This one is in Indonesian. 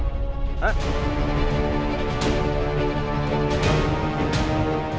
tidak ada yang bisa mengangkat itu